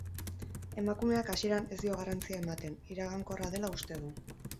Emakumeak hasieran ez dio garrantzia ematen, iragankorra dela uste du.